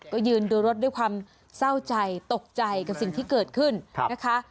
ก็ยืนดูรถด้วยความเศร้าใจตกใจกับสิ่งที่เกิดขึ้นนะคะ